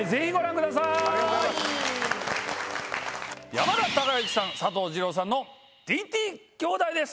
山田孝之さん佐藤二朗さんのＴＴ兄弟です。